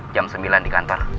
jam sembilan di kantor